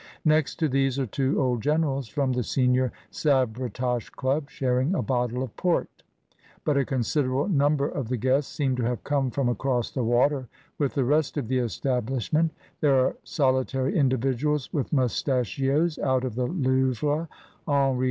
Next to these are two old generals from the Senior Sabretash Club sharing a bottle of port; but a considerable number of the guests seem to have come from across the water with the rest of the establishment, there are solitary individuals with moustachios out of the Louvre, Henri IV.